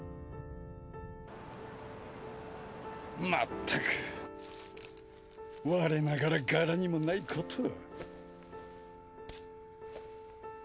まったく我ながら柄にもないことを。